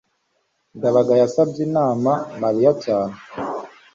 ndabaga yasabye inama mariya cyane